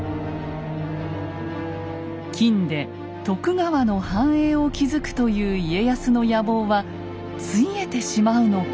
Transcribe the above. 金で徳川の繁栄を築くという家康の野望はついえてしまうのか。